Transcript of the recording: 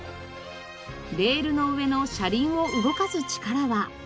レールの上の車輪を動かす力は。